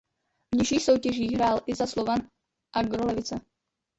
V nižších soutěžích hrál i za Slovan Agro Levice.